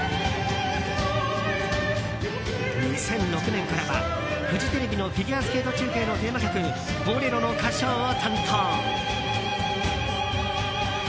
２００６年からはフジテレビのフィギュアスケート中継のテーマ曲「ボレロ」の歌唱を担当。